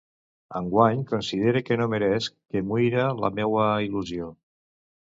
Enguany considere que no meresc que muira la meua il·lusió.